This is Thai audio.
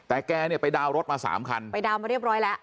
แต่แกเนี่ยไปดาวน์รถมาสามคันไปดาวนมาเรียบร้อยแล้ว